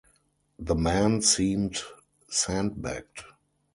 The man seemed sandbagged.